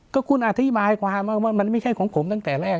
ก็คุณอธิบายความว่ามันไม่ใช่ของผมตั้งแต่แรก